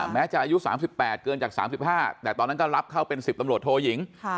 แม้จะอายุ๓๘เกินจาก๓๕แต่ตอนนั้นก็รับเข้าเป็น๑๐ตำรวจโทยิง